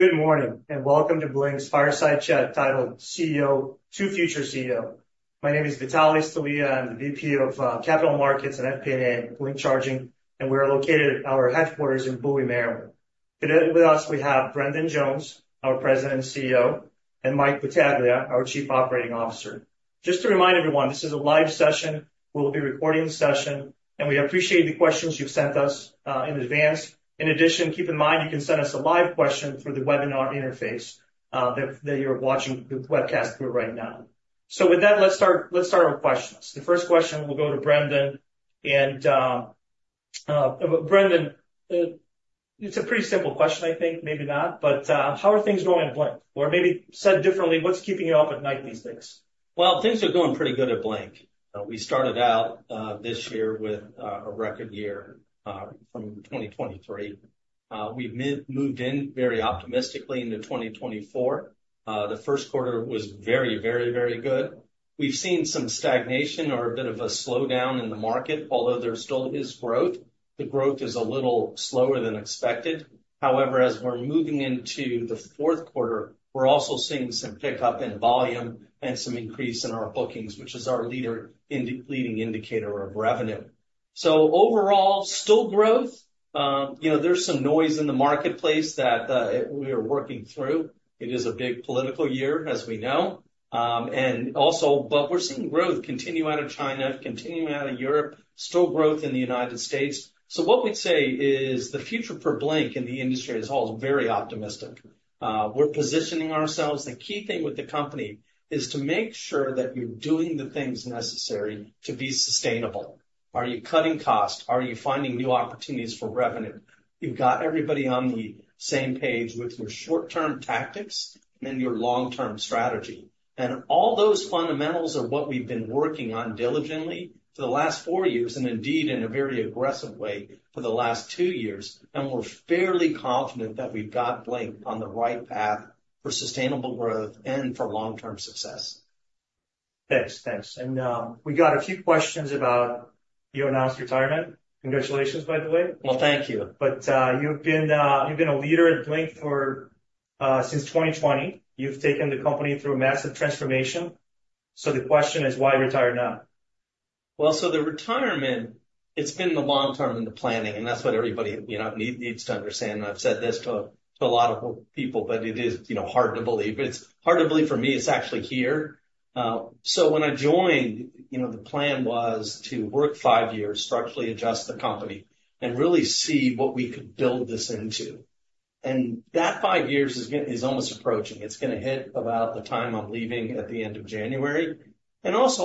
Good morning, and welcome to Blink's Fireside Chat, titled CEO to Future CEO. My name is Vitalie Stelea. I'm the VP of Capital Markets and FP&A at Blink Charging, and we are located at our headquarters in Bowie, Maryland. Today, with us, we have Brendan Jones, our President and CEO, and Mike Battaglia, our Chief Operating Officer. Just to remind everyone, this is a live session. We'll be recording the session, and we appreciate the questions you've sent us in advance. In addition, keep in mind, you can send us a live question through the webinar interface that you're watching the webcast through right now. So with that, let's start our questions. The first question will go to Brendan, and Brendan, it's a pretty simple question, I think, maybe not, but how are things going at Blink? Or maybe said differently, what's keeping you up at night these days? Things are going pretty good at Blink. We started out this year with a record year from 2023. We've moved in very optimistically into 2024. The first quarter was very, very, very good. We've seen some stagnation or a bit of a slowdown in the market, although there still is growth. The growth is a little slower than expected. However, as we're moving into the fourth quarter, we're also seeing some pickup in volume and some increase in our bookings, which is our leading indicator of revenue, so overall, still growth. You know, there's some noise in the marketplace that we are working through. It is a big political year, as we know, and also, but we're seeing growth continue out of China, continuing out of Europe, still growth in the United States. So what we'd say is, the future for Blink and the industry as a whole is very optimistic. We're positioning ourselves. The key thing with the company is to make sure that you're doing the things necessary to be sustainable. Are you cutting costs? Are you finding new opportunities for revenue? You've got everybody on the same page with your short-term tactics and your long-term strategy. And all those fundamentals are what we've been working on diligently for the last four years, and indeed, in a very aggressive way, for the last two years. And we're fairly confident that we've got Blink on the right path for sustainable growth and for long-term success. Thanks. Thanks, and we got a few questions about your announced retirement. Congratulations, by the way. Thank you. But, you've been a leader at Blink for since 2020. You've taken the company through a massive transformation. So the question is, why retire now? The retirement, it's been in the long term in the planning, and that's what everybody, you know, needs to understand. I've said this to a lot of people, but it is, you know, hard to believe. It's hard to believe for me, it's actually here. When I joined, you know, the plan was to work five years, structurally adjust the company, and really see what we could build this into. That five years is almost approaching. It's gonna hit about the time I'm leaving at the end of January. As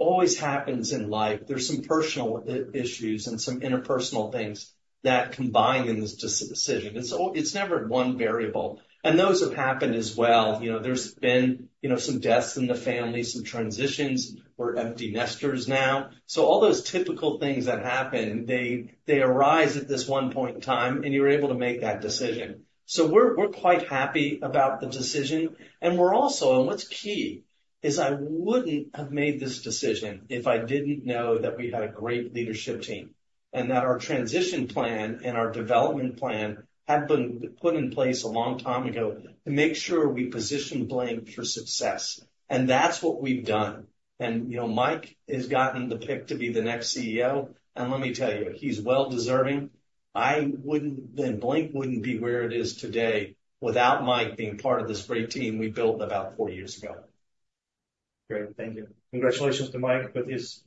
always happens in life, there's some personal issues and some interpersonal things that combine in this decision. It's never one variable, and those have happened as well. You know, there's been, you know, some deaths in the family, some transitions. We're empty nesters now. All those typical things that happen, they arise at this one point in time, and you're able to make that decision. We're quite happy about the decision, and we're also... What's key is I wouldn't have made this decision if I didn't know that we had a great leadership team, and that our transition plan and our development plan had been put in place a long time ago to make sure we position. Blink for success. That's what we've done. You know, Mike has gotten the pick to be the next CEO, and let me tell you, he's well deserving. I wouldn't, and Blink wouldn't be where it is today without Mike being part of this great team we built about four years ago. Great. Thank you. Congratulations to Mike as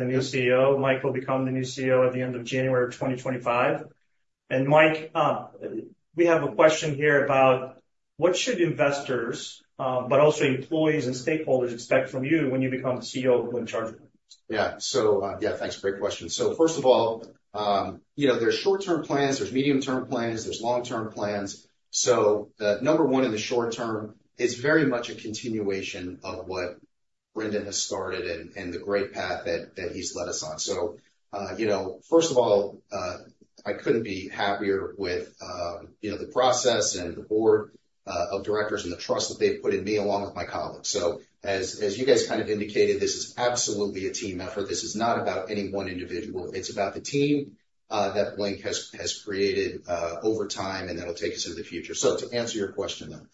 the new CEO. Mike will become the new CEO at the end of January 2025. And Mike, we have a question here about what should investors, but also employees and stakeholders expect from you when you become the CEO of Blink Charging? Yeah. So, yeah, thanks. Great question. So first of all, you know, there's short-term plans, there's medium-term plans, there's long-term plans. So the number one in the short term is very much a continuation of what Brendan has started and the great path that he's led us on. So, you know, first of all, I couldn't be happier with, you know, the process and the board of directors and the trust that they've put in me, along with my colleagues. So as you guys kind of indicated, this is absolutely a team effort. This is not about any one individual. It's about the team that Blink has created over time, and that'll take us into the future. So to answer your question then,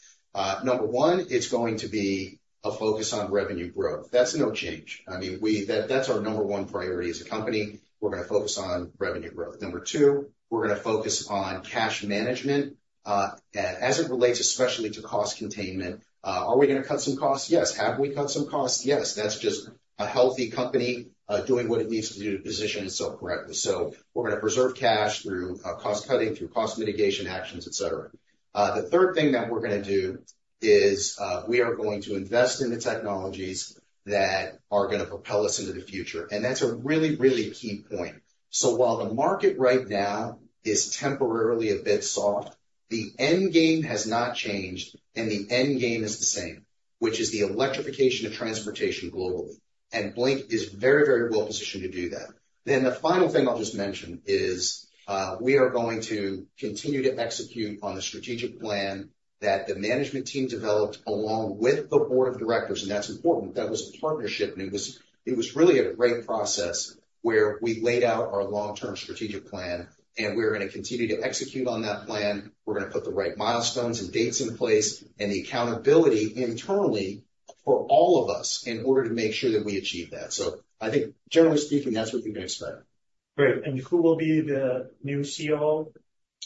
number one, it's going to be a focus on revenue growth. That's no change. I mean, that's our number one priority as a company. We're gonna focus on revenue growth. Number two, we're gonna focus on cash management, as it relates especially to cost containment. Are we gonna cut some costs? Yes. Have we cut some costs? Yes. That's just a healthy company, doing what it needs to do to position itself correctly. So we're gonna preserve cash through cost cutting, through cost mitigation actions, et cetera. The third thing that we're gonna do is we are going to invest in the technologies that are gonna propel us into the future, and that's a really, really key point. So while the market right now is temporarily a bit soft, the end game has not changed, and the end game is the same, which is the electrification of transportation globally. Blink is very, very well positioned to do that. The final thing I'll just mention is we are going to continue to execute on the strategic plan that the management team developed along with the board of directors, and that's important. That was a partnership, and it was really a great process where we laid out our long-term strategic plan, and we're gonna continue to execute on that plan. We're gonna put the right milestones and dates in place, and the accountability internally for all of us in order to make sure that we achieve that. I think generally speaking, that's what you can expect. Great. Who will be the new COO?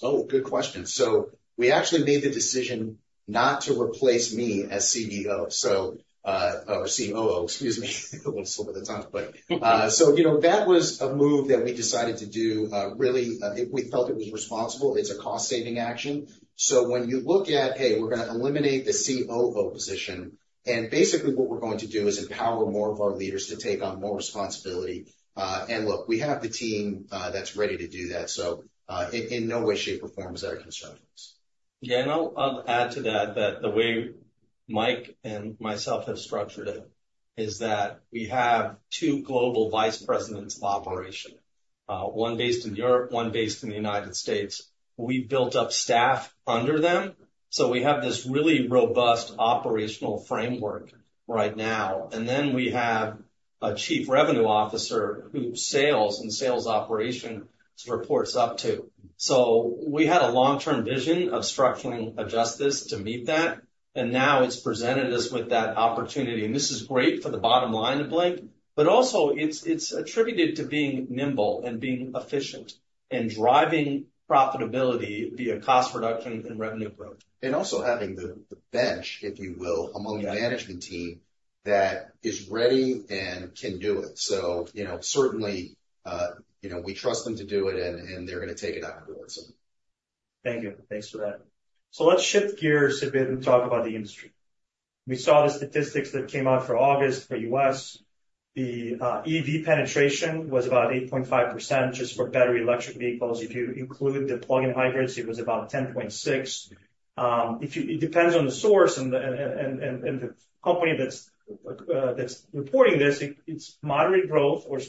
Oh, good question. So we actually made the decision not to replace me as CEO, so, or COO, excuse me, a little slip of the tongue, but, so, you know, that was a move that we decided to do, really, we felt it was responsible. It's a cost-saving action. So when you look at, hey, we're gonna eliminate the COO position, and basically what we're going to do is empower more of our leaders to take on more responsibility. And look, we have the team, that's ready to do that, so, in no way, shape, or form is that a concern for us. Yeah, and I'll add to that, that the way Mike and myself have structured it is that we have two global vice presidents of operations, one based in Europe, one based in the United States. We've built up staff under them, so we have this really robust operational framework right now, and then we have a chief revenue officer who sales and sales operations report up to. So we had a long-term vision of structuring it just to meet that, and now it's presented us with that opportunity. And this is great for the bottom line of Blink, but also, it's attributed to being nimble and being efficient and driving profitability via cost reduction and revenue growth. And also having the bench, if you will, among the management team, that is ready and can do it. So, you know, certainly, you know, we trust them to do it, and they're gonna take it out and do it, so. Thank you. Thanks for that. So let's shift gears a bit and talk about the industry. We saw the statistics that came out for August for U.S. The EV penetration was about 8.5% just for battery electric vehicles. If you include the plug-in hybrids, it was about 10.6%. It depends on the source and the company that's reporting this, it's moderate growth or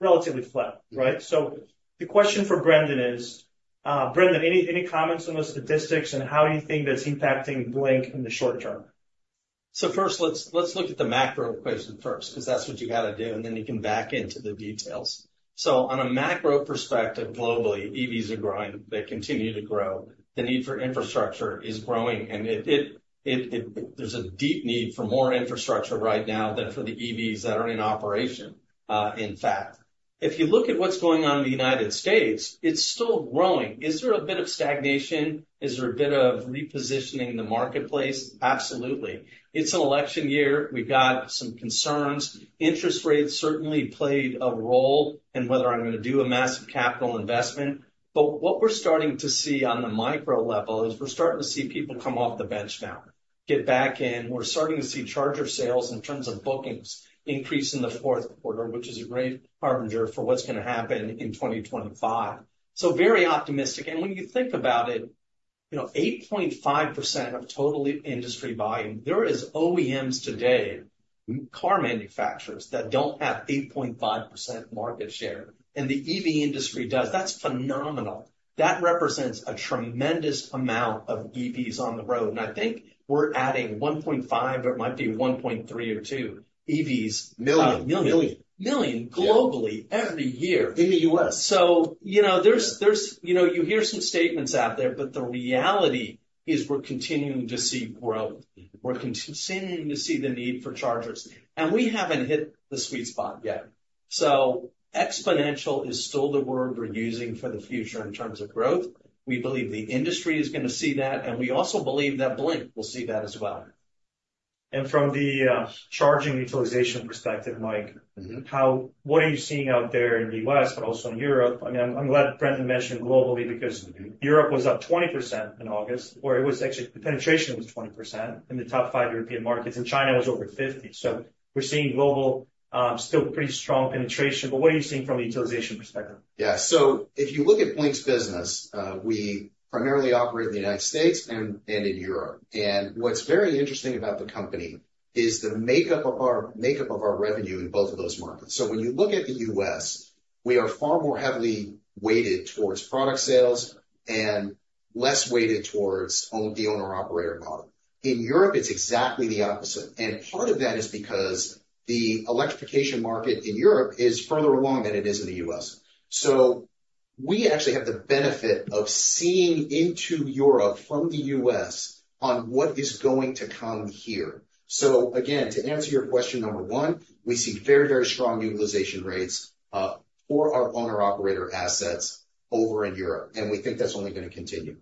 relatively flat, right? So the question for Brendan is, Brendan, any comments on the statistics and how you think that's impacting Blink in the short term? So first, let's look at the macro question first, 'cause that's what you gotta do, and then you can back into the details. So on a macro perspective, globally, EVs are growing. They continue to grow. The need for infrastructure is growing, and it. There's a deep need for more infrastructure right now than for the EVs that are in operation, in fact. If you look at what's going on in the United States, it's still growing. Is there a bit of stagnation? Is there a bit of repositioning in the marketplace? Absolutely. It's an election year. We've got some concerns. Interest rates certainly played a role in whether I'm going to do a massive capital investment. But what we're starting to see on the micro level is we're starting to see people come off the bench now, get back in. We're starting to see charger sales in terms of bookings increase in the fourth quarter, which is a great harbinger for what's gonna happen in 2025, so very optimistic, and when you think about it, you know, 8.5% of total industry volume, there is OEMs today, car manufacturers, that don't have 8.5% market share, and the EV industry does. That's phenomenal. That represents a tremendous amount of EVs on the road, and I think we're adding 1.5, or it might be 1.3 or two EVs- Million. Million. Million. million globally every year. In the U.S. You know, there's... You know, you hear some statements out there, but the reality is we're continuing to see growth. We're continuing to see the need for chargers, and we haven't hit the sweet spot yet. Exponential is still the word we're using for the future in terms of growth. We believe the industry is gonna see that, and we also believe that Blink will see that as well. And from the charging utilization perspective, Mike- Mm-hmm. How, what are you seeing out there in the US, but also in Europe? I mean, I'm glad Brendan mentioned globally, because Europe was up 20% in August, or it was actually, the penetration was 20% in the top five European markets, and China was over 50%. So we're seeing global, still pretty strong penetration. But what are you seeing from a utilization perspective? Yeah. So if you look at Blink's business, we primarily operate in the United States and in Europe. What's very interesting about the company is the makeup of our revenue in both of those markets. So when you look at the U.S., we are far more heavily weighted towards product sales and less weighted towards the owner-operator model. In Europe, it's exactly the opposite, and part of that is because the electrification market in Europe is further along than it is in the U.S. So we actually have the benefit of seeing into Europe from the U.S. on what is going to come here. So again, to answer your question, number one, we see very, very strong utilization rates for our owner-operator assets over in Europe, and we think that's only gonna continue.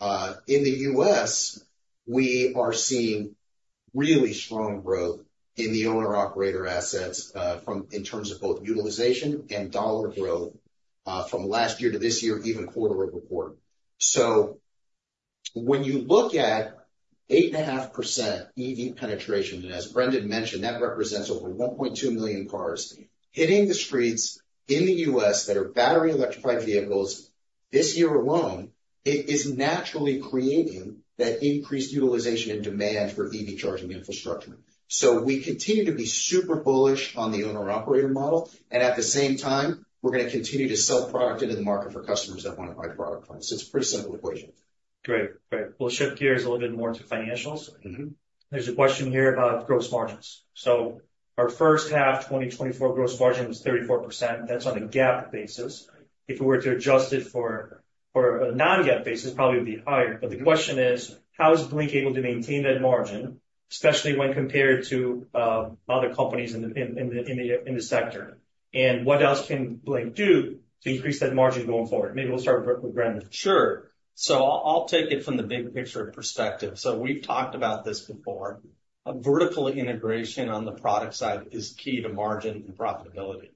In the U.S., we are seeing really strong growth in the owner-operator assets, in terms of both utilization and dollar growth, from last year to this year, even quarter over quarter, so when you look at 8.5% EV penetration, and as Brendan mentioned, that represents over 1.2 million cars hitting the streets in the U.S. that are battery electrified vehicles this year alone, it is naturally creating that increased utilization and demand for EV charging infrastructure, so we continue to be super bullish on the owner-operator model, and at the same time, we're gonna continue to sell product into the market for customers that want to buy product from us. It's a pretty simple equation. Great. Great. We'll shift gears a little bit more to financials. Mm-hmm. There's a question here about gross margins. So our first half, twenty twenty-four gross margin was 34%. That's on a GAAP basis. If we were to adjust it or a non-GAAP basis, probably be higher. But the question is, how is Blink able to maintain that margin, especially when compared to other companies in the sector? And what else can Blink do to increase that margin going forward? Maybe we'll start with Brendan. Sure. So I'll take it from the big picture perspective. So we've talked about this before. Vertical integration on the product side is key to margin and profitability.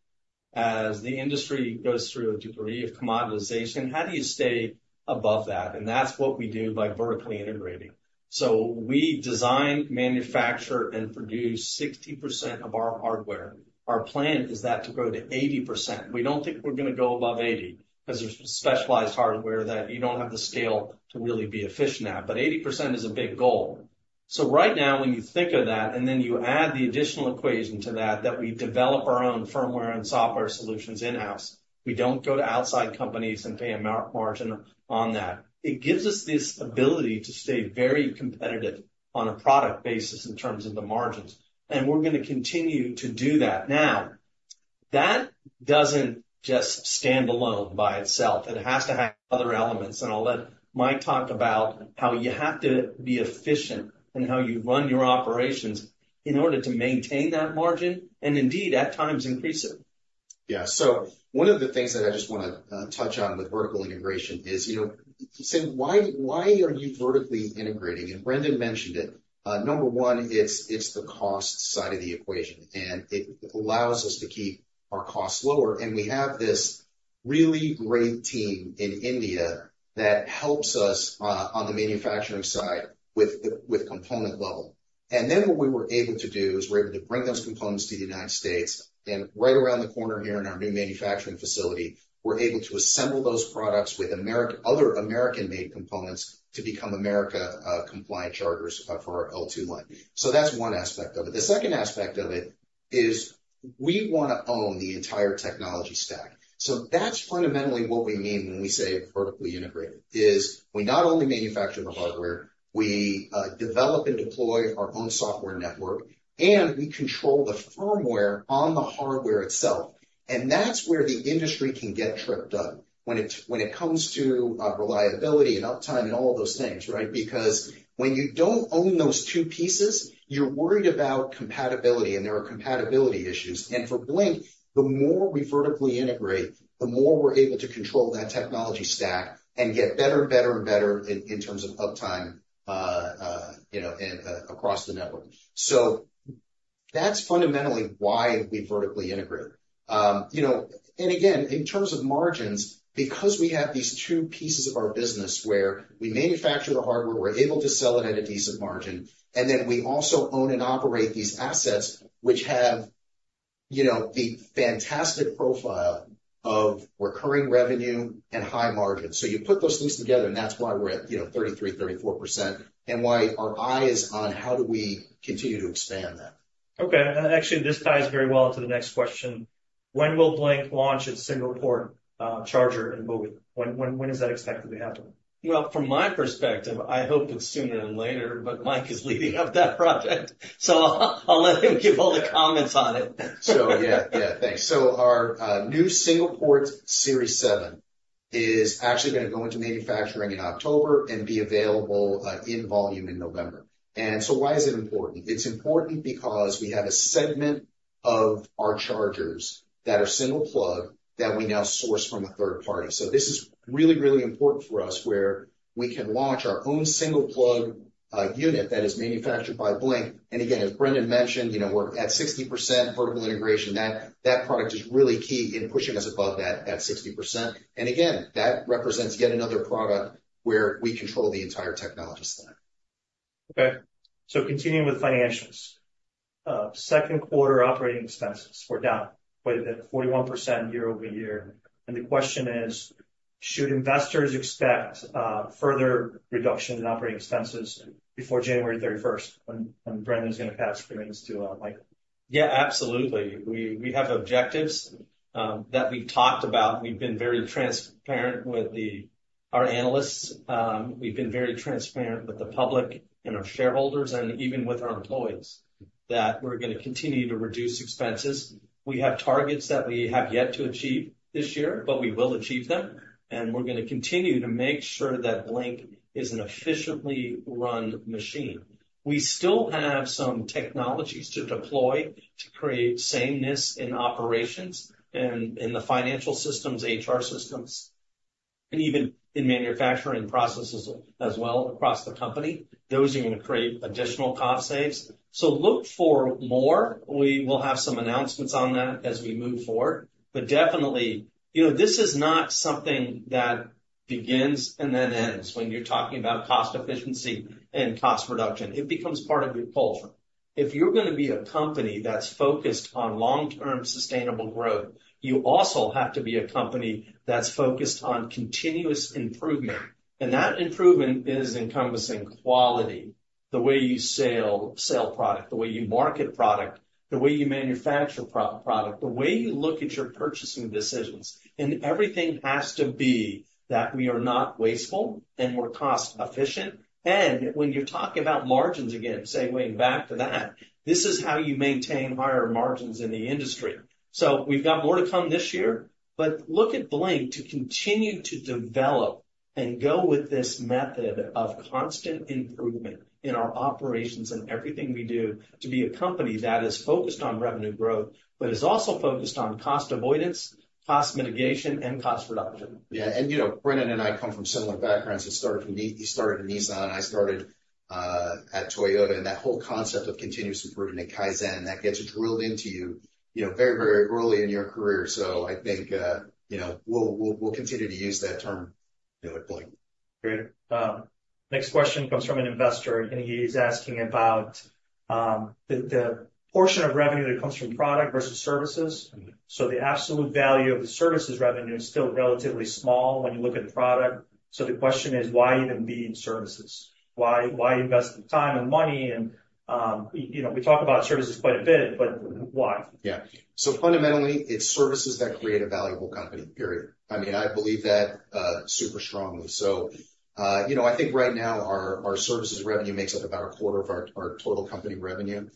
As the industry goes through a degree of commoditization, how do you stay above that? And that's what we do by vertically integrating. So we design, manufacture, and produce 60% of our hardware. Our plan is that to grow to 80%. We don't think we're gonna go above 80, 'cause there's specialized hardware that you don't have the scale to really be efficient at, but 80% is a big goal. So right now, when you think of that, and then you add the additional equation to that, that we develop our own firmware and software solutions in-house. We don't go to outside companies and pay a margin on that. It gives us this ability to stay very competitive on a product basis in terms of the margins, and we're gonna continue to do that. Now, that doesn't just stand alone by itself. It has to have other elements, and I'll let Mike talk about how you have to be efficient in how you run your operations in order to maintain that margin, and indeed, at times, increase it. Yeah. One of the things that I just wanna touch on with vertical integration is, you know, say, why, why are you vertically integrating? And Brendan mentioned it. Number one, it's the cost side of the equation, and it allows us to keep our costs lower, and we have this really great team in India that helps us on the manufacturing side with the component level. And then what we were able to do is we're able to bring those components to the United States, and right around the corner here in our new manufacturing facility, we're able to assemble those products with other American-made components to become Buy America-compliant chargers for our L2 line. That's one aspect of it. The second aspect of it is we wanna own the entire technology stack. So that's fundamentally what we mean when we say vertically integrated, is we not only manufacture the hardware, we, develop and deploy our own software network, and we control the firmware on the hardware itself. And that's where the industry can get tripped up, when it comes to, reliability and uptime and all of those things, right? Because when you don't own those two pieces, you're worried about compatibility, and there are compatibility issues. And for Blink, the more we vertically integrate, the more we're able to control that technology stack and get better, and better, and better in terms of uptime, you know, and across the network. So that's fundamentally why we vertically integrate. You know, and again, in terms of margins, because we have these two pieces of our business where we manufacture the hardware, we're able to sell it at a decent margin, and then we also own and operate these assets, which have, you know, the fantastic profile of recurring revenue and high margins. So you put those pieces together, and that's why we're at, you know, 33%-34%, and why our eye is on how do we continue to expand that? Okay, and actually, this ties very well into the next question: When will Blink launch its single-port charger in volume? When, when, when is that expected to happen? From my perspective, I hope it's sooner than later, but Mike is leading up that project, so I'll, I'll let him give all the comments on it. So yeah, yeah, thanks. So our new single port Series 7 is actually gonna go into manufacturing in October and be available in volume in November. And so why is it important? It's important because we have a segment of our chargers that are single plug that we now source from a third party. So this is really, really important for us where we can launch our own single plug unit that is manufactured by Blink. And again, as Brendan mentioned, you know, we're at 60% vertical integration. That, that product is really key in pushing us above that, that 60%. And again, that represents yet another product where we control the entire technology stack. Okay, so continuing with financials. Second quarter operating expenses were down quite a bit, 41% year over year. The question is: Should investors expect further reduction in operating expenses before January thirty-first, when Brendan's gonna pass the reins to Mike? Yeah, absolutely. We have objectives that we've talked about. We've been very transparent with our analysts. We've been very transparent with the public and our shareholders and even with our employees, that we're gonna continue to reduce expenses. We have targets that we have yet to achieve this year, but we will achieve them, and we're gonna continue to make sure that Blink is an efficiently run machine. We still have some technologies to deploy to create sameness in operations and in the financial systems, HR systems, and even in manufacturing processes as well across the company. Those are gonna create additional cost saves. So look for more. We will have some announcements on that as we move forward, but definitely, you know, this is not something that begins and then ends when you're talking about cost efficiency and cost reduction. It becomes part of your culture. If you're gonna be a company that's focused on long-term sustainable growth, you also have to be a company that's focused on continuous improvement, and that improvement is encompassing quality, the way you sell product, the way you market product, the way you manufacture product, the way you look at your purchasing decisions. And everything has to be that we are not wasteful, and we're cost efficient. And when you talk about margins, again, say, going back to that, this is how you maintain higher margins in the industry. So we've got more to come this year, but look at Blink to continue to develop and go with this method of constant improvement in our operations and everything we do to be a company that is focused on revenue growth, but is also focused on cost avoidance, cost mitigation, and cost reduction. Yeah, and, you know, Brendan and I come from similar backgrounds. It started from me. He started at Nissan, and I started at Toyota. And that whole concept of continuous improvement at Kaizen, that gets drilled into you, you know, very, very early in your career. So I think, you know, we'll continue to use that term, you know, at Blink. Great. Next question comes from an investor, and he's asking about the portion of revenue that comes from product versus services. Mm-hmm. The absolute value of the services revenue is still relatively small when you look at the product. The question is: Why even be in services? Why, why invest the time and money and, you know, we talk about services quite a bit- Mm-hmm. -but why? Yeah. So fundamentally, it's services that create a valuable company, period. I mean, I believe that super strongly. So you know, I think right now, our services revenue makes up about a quarter of our total company revenue.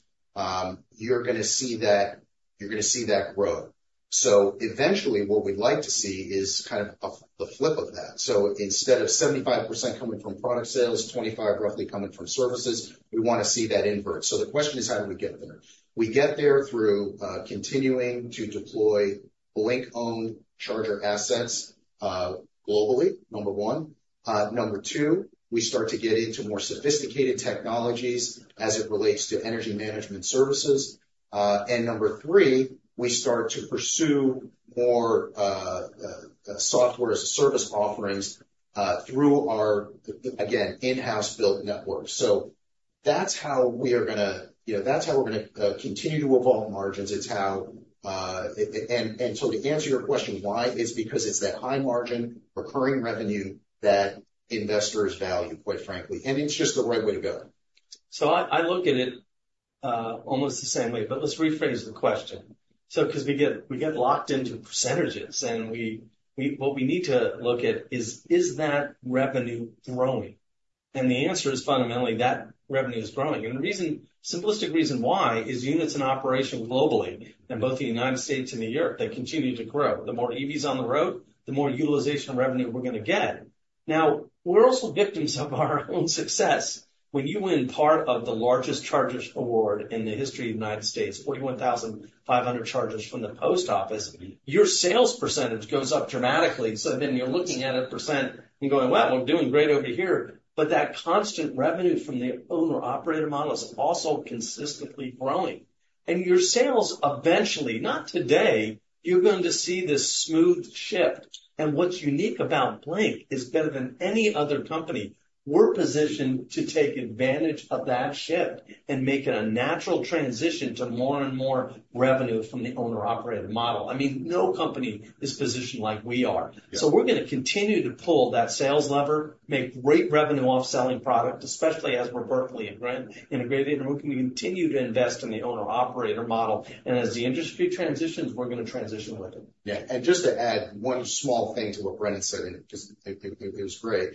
You're gonna see that... You're gonna see that grow. So eventually, what we'd like to see is kind of a the flip of that. So instead of 75% coming from product sales, 25% roughly coming from services, we wanna see that invert. So the question is: How do we get there? We get there through continuing to deploy Blink-owned charger assets globally, number one. Number two, we start to get into more sophisticated technologies as it relates to energy management services. And number three, we start to pursue more software as a service offerings through our, again, in-house built network. So that's how we are gonna, you know, that's how we're gonna continue to evolve margins. It's how and so to answer your question, why? Is because it's that high margin, recurring revenue that investors value, quite frankly, and it's just the right way to go. I look at it almost the same way, but let's rephrase the question. Because we get locked into percentages, and what we need to look at is that revenue growing? The answer is fundamentally that revenue is growing. And the reason, simplistic reason why, is units in operation globally, in both the United States and Europe. They continue to grow. The more EVs on the road, the more utilization revenue we're gonna get. Now, we're also victims of our own success. When you win part of the largest chargers award in the history of the United States, 41,500 chargers from the post office, your sales percentage goes up dramatically. So then you're looking at a % and going, "Wow, we're doing great over here." But that constant revenue from the owner-operator model is also consistently growing. And your sales eventually, not today, you're going to see this smooth shift. And what's unique about Blink is better than any other company, we're positioned to take advantage of that shift and make it a natural transition to more and more revenue from the owner-operator model. I mean, no company is positioned like we are. Yeah. So we're gonna continue to pull that sales lever, make great revenue off selling product, especially as we're vertically integrated, and we're continue to invest in the owner-operator model, and as the industry transitions, we're gonna transition with it. Yeah, and just to add one small thing to what Brendan said, and just it, it was great.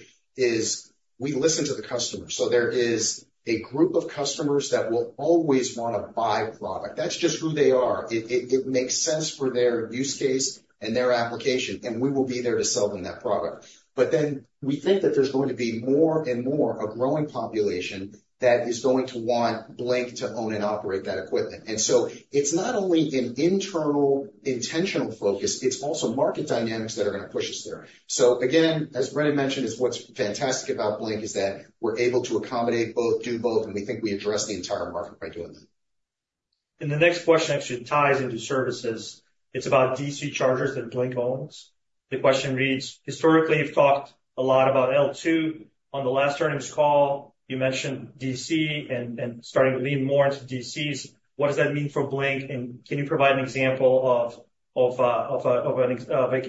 We listen to the customer. So there is a group of customers that will always wanna buy product. That's just who they are. It makes sense for their use case and their application, and we will be there to sell them that product. But then we think that there's going to be more and more a growing population that is going to want Blink to own and operate that equipment. And so it's not only an internal intentional focus, it's also market dynamics that are going to push us there. So again, as Brendan mentioned, what's fantastic about Blink is that we're able to accommodate both, do both, and we think we address the entire market by doing that. The next question actually ties into services. It's about DC chargers that Blink owns. The question reads: Historically, you've talked a lot about L2. On the last earnings call, you mentioned DC and starting to lean more into DCs. What does that mean for Blink, and can you provide an example of, like,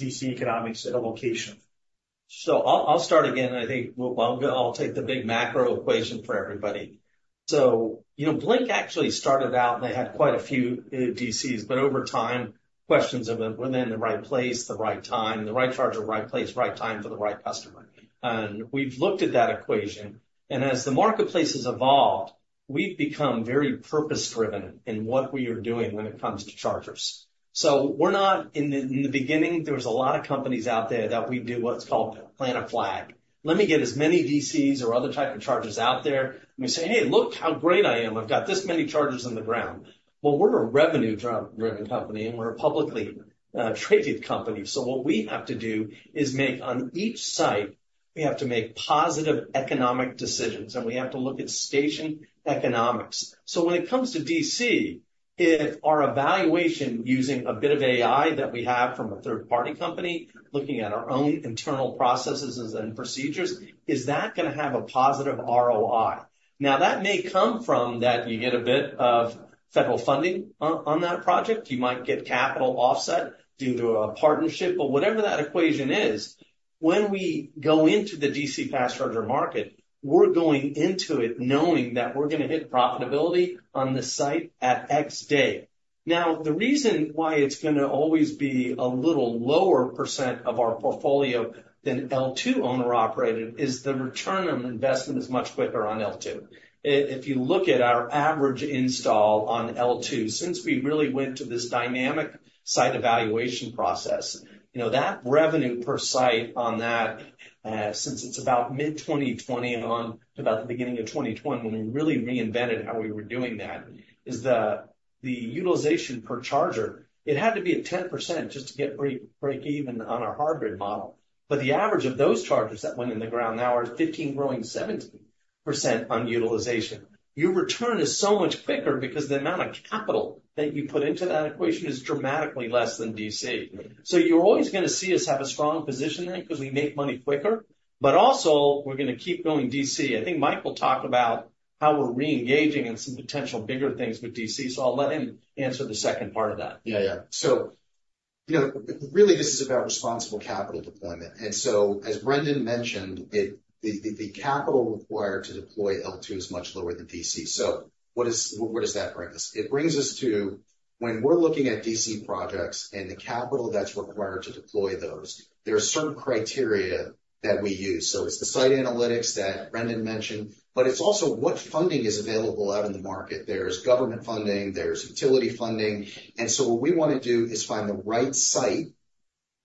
DC economics at a location? So I'll start again, and I'll take the big macro equation for everybody. So, you know, Blink actually started out, and they had quite a few DCs, but over time, questions of it, were they in the right place, the right time, the right charger, right place, right time for the right customer? And we've looked at that equation, and as the marketplace has evolved, we've become very purpose-driven in what we are doing when it comes to chargers. So we're not in the beginning, there was a lot of companies out there that we do what's called plant a flag. Let me get as many DCs or other type of chargers out there, and we say, "Hey, look how great I am. I've got this many chargers in the ground," well, we're a revenue driven company, and we're a publicly traded company. So what we have to do is make on each site, we have to make positive economic decisions, and we have to look at station economics. So when it comes to DC, if our evaluation, using a bit of AI that we have from a third-party company, looking at our own internal processes and procedures, is that gonna have a positive ROI? Now, that may come from that you get a bit of federal funding on that project. You might get capital offset due to a partnership, but whatever that equation is, when we go into the DC fast charger market, we're going into it knowing that we're gonna hit profitability on the site at X day. Now, the reason why it's gonna always be a little lower % of our portfolio than L2 owner operated, is the return on investment is much quicker on L2. If you look at our average install on L2, since we really went to this dynamic site evaluation process, you know, that revenue per site on that, since it's about mid-2020 and on to about the beginning of 2021, when we really reinvented how we were doing that, is the utilization per charger, it had to be at 10% just to get break even on our hybrid model. But the average of those chargers that went in the ground now are 15% growing to 17% on utilization. Your return is so much quicker because the amount of capital that you put into that equation is dramatically less than DC. So you're always gonna see us have a strong position there, 'cause we make money quicker, but also, we're gonna keep going DC. I think Mike will talk about how we're reengaging in some potential bigger things with DC, so I'll let him answer the second part of that. Yeah, yeah. So, you know, really, this is about responsible capital deployment. And so, as Brendan mentioned, the capital required to deploy L2 is much lower than DC. So where does that bring us? It brings us to, when we're looking at DC projects and the capital that's required to deploy those, there are certain criteria that we use. So it's the site analytics that Brendan mentioned, but it's also what funding is available out in the market. There's government funding, there's utility funding, and so what we want to do is find the right site,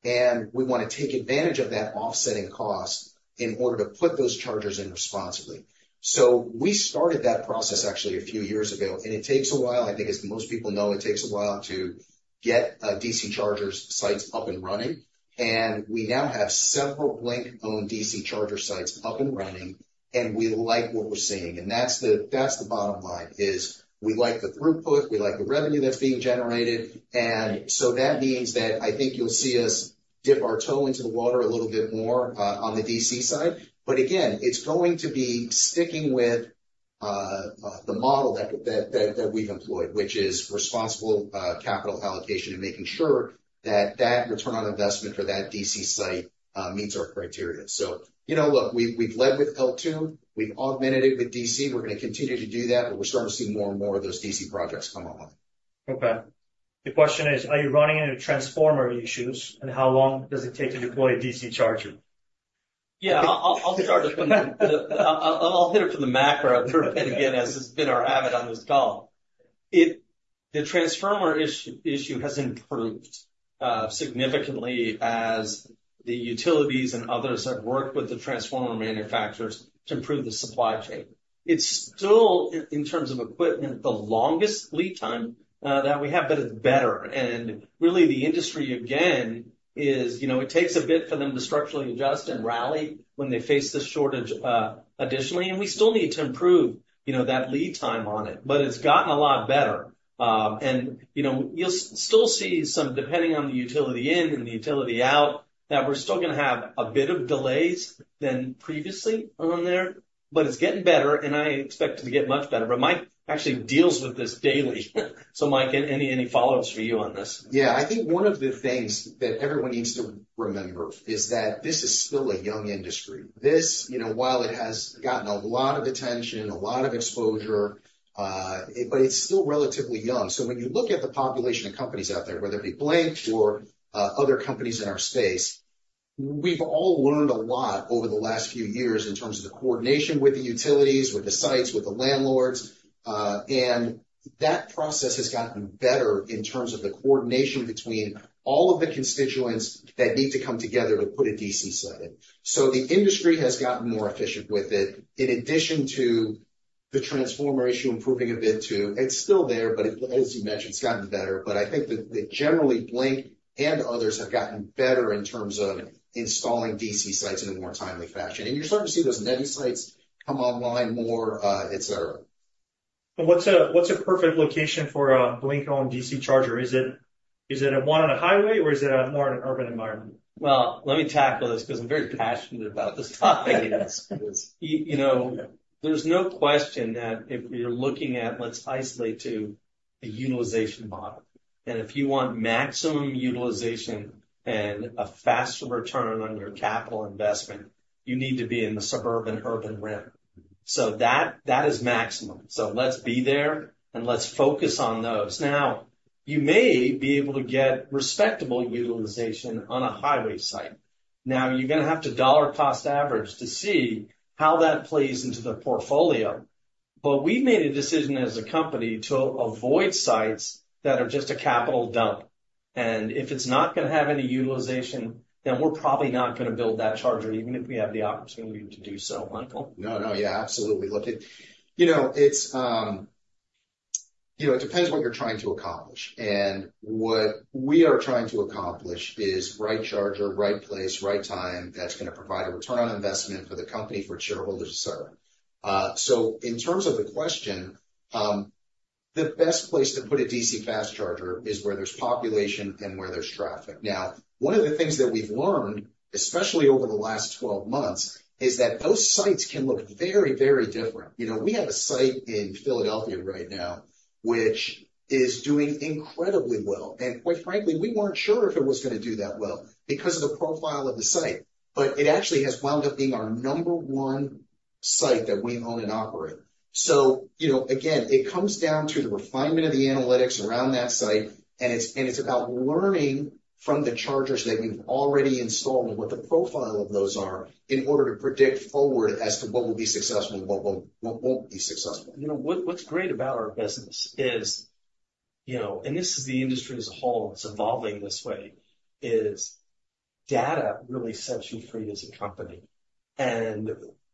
and we want to take advantage of that offsetting cost in order to put those chargers in responsibly. So we started that process actually a few years ago, and it takes a while. I think, as most people know, it takes a while to get DC charger sites up and running, and we now have several Blink-owned DC charger sites up and running, and we like what we're seeing, and that's the bottom line, is we like the throughput, we like the revenue that's being generated, and so that means that I think you'll see us dip our toe into the water a little bit more, on the DC side, but again, it's going to be sticking with the model that we've employed, which is responsible capital allocation and making sure that that return on investment for that DC site meets our criteria. You know, look, we've led with L2, we've augmented it with DC, we're gonna continue to do that, but we're starting to see more and more of those DC projects come online. Okay. The question is, are you running into transformer issues, and how long does it take to deploy a DC charger? Yeah, I'll start with the macro view, and again, as has been our habit on this call. The transformer issue has improved significantly as the utilities and others have worked with the transformer manufacturers to improve the supply chain. It's still, in terms of equipment, the longest lead time that we have, but it's better. And really, the industry, again, is, you know, it takes a bit for them to structurally adjust and rally when they face this shortage, additionally, and we still need to improve, you know, that lead time on it, but it's gotten a lot better. You know, you'll still see some, depending on the utility in and the utility out, that we're still gonna have a bit of delays than previously on there, but it's getting better, and I expect it to get much better. But Mike actually deals with this daily. So Mike, any follow-ups for you on this? Yeah. I think one of the things that everyone needs to remember is that this is still a young industry. This, you know, while it has gotten a lot of attention, a lot of exposure, it, but it's still relatively young. So when you look at the population of companies out there, whether it be Blink or, other companies in our space, we've all learned a lot over the last few years in terms of the coordination with the utilities, with the sites, with the landlords, and that process has gotten better in terms of the coordination between all of the constituents that need to come together to put a DC site in. So the industry has gotten more efficient with it, in addition to the transformer issue improving a bit, too. It's still there, but as you mentioned, it's gotten better. But I think that generally Blink and others have gotten better in terms of installing DC sites in a more timely fashion. And you're starting to see those ninety sites come online more, et cetera. What's a perfect location for a Blink-owned DC charger? Is it one on a highway, or is it more in an urban environment? Let me tackle this, because I'm very passionate about this topic. Yes, it is. You know, there's no question that if you're looking at let's isolate to the utilization model, and if you want maximum utilization and a faster return on your capital investment, you need to be in the suburban-urban rim. So that, that is maximum. So let's be there, and let's focus on those. Now, you may be able to get respectable utilization on a highway site. Now, you're gonna have to dollar cost average to see how that plays into the portfolio. But we've made a decision as a company to avoid sites that are just a capital dump, and if it's not gonna have any utilization, then we're probably not gonna build that charger, even if we have the opportunity to do so. Michael? No, no, yeah, absolutely. Look, it, you know, it's, you know, it depends what you're trying to accomplish. And what we are trying to accomplish is right charger, right place, right time, that's gonna provide a return on investment for the company, for its shareholders, et cetera. So in terms of the question, the best place to put a DC fast charger is where there's population and where there's traffic. Now, one of the things that we've learned, especially over the last 12 months, is that those sites can look very, very different. You know, we have a site in Philadelphia right now, which is doing incredibly well, and quite frankly, we weren't sure if it was gonna do that well because of the profile of the site, but it actually has wound up being our number one site that we own and operate. So, you know, again, it comes down to the refinement of the analytics around that site, and it's about learning from the chargers that we've already installed and what the profile of those are in order to predict forward as to what will be successful and what won't be successful. You know what, what's great about our business is, you know, and this is the industry as a whole. It's evolving this way: data really sets you free as a company. And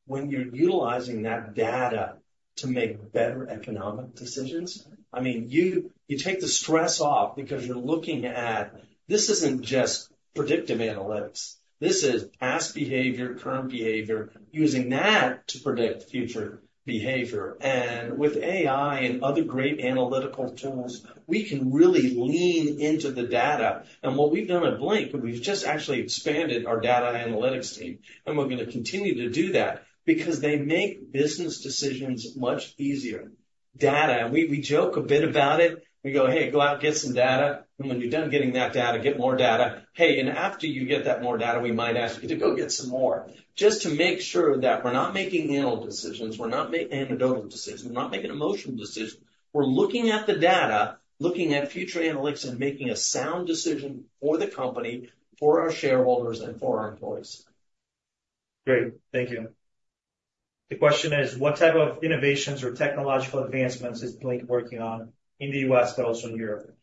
when you're utilizing that data to make better economic decisions, I mean, you take the stress off because you're looking at. This isn't just predictive analytics. This is past behavior, current behavior, using that to predict future behavior. And with AI and other great analytical tools, we can really lean into the data. And what we've done at Blink, we've just actually expanded our data analytics team, and we're gonna continue to do that because they make business decisions much easier. Data, we joke a bit about it. We go, "Hey, go out and get some data, and when you're done getting that data, get more data. Hey, and after you get that more data, we might ask you to go get some more," just to make sure that we're not making anal decisions, we're not making anecdotal decisions, we're not making emotional decisions. We're looking at the data, looking at future analytics, and making a sound decision for the company, for our shareholders, and for our employees. Great, thank you. The question is: What type of innovations or technological advancements is Blink working on in the U.S. and also in Europe?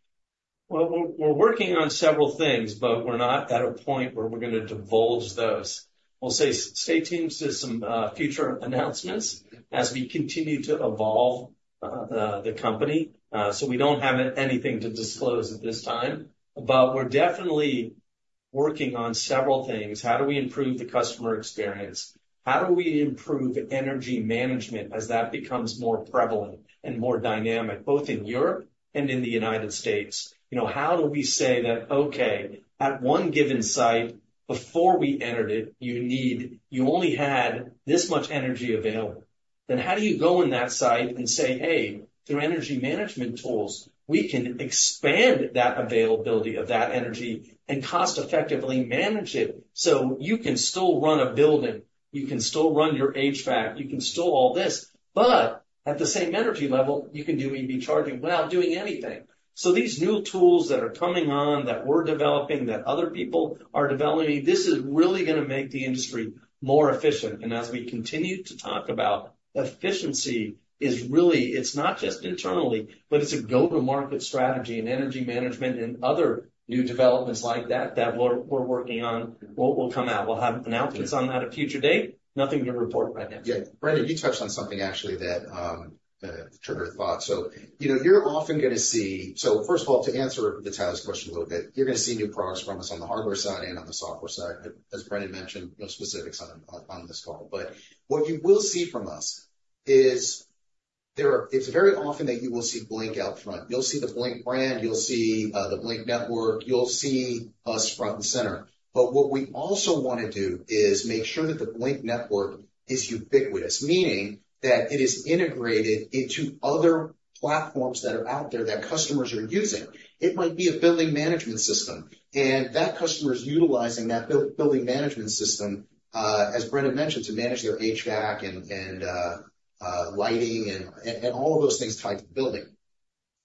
We're working on several things, but we're not at a point where we're gonna divulge those. We'll say, stay tuned to some future announcements as we continue to evolve the company. So we don't have anything to disclose at this time, but we're definitely working on several things. How do we improve the customer experience? How do we improve energy management as that becomes more prevalent and more dynamic, both in Europe and in the United States? You know, how do we say that, "Okay, at one given site, before we entered it, you need, you only had this much energy available." Then how do you go in that site and say, "Hey, through energy management tools, we can expand that availability of that energy and cost-effectively manage it." So you can still run a building, you can still run your HVAC, you can still all this, but at the same energy level, you can do EV charging without doing anything. So these new tools that are coming on, that we're developing, that other people are developing, this is really gonna make the industry more efficient. And as we continue to talk about efficiency is really. It's not just internally, but it's a go-to-market strategy and energy management and other new developments like that, that we're working on, what will come out. We'll have announcements on that at a future date. Nothing to report right now. Yeah. Brendan, you touched on something actually that triggered a thought. So, you know, you're often gonna see. So first of all, to answer Tyler's question a little bit, you're gonna see new products from us on the hardware side and on the software side. As Brendan mentioned, no specifics on this call. But what you will see from us is it's very often that you will see Blink out front. You'll see the Blink brand, you'll see the Blink Network, you'll see us front and center. But what we also want to do is make sure that the Blink Network is ubiquitous, meaning that it is integrated into other platforms that are out there that customers are using. It might be a building management system, and that customer is utilizing that building management system, as Brendan mentioned, to manage their HVAC and lighting and all of those things tied to the building.